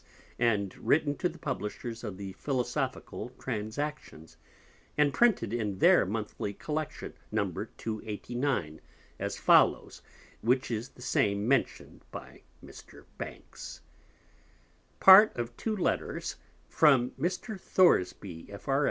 and written to the Publisher of the Philosophical Transactions, and printed in their Monthly Collection, No. 289. as follows, which is the same mentioned by Mr. Banks. Part of two Letters from Mr. Thoresby, F.R.